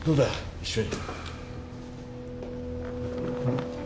一緒に。